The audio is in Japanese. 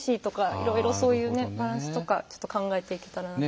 いろいろ、そういうバランスとか考えていけたら。